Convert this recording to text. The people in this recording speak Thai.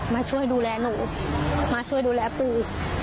มาช่วยดูแลหนูมาช่วยดูแลปู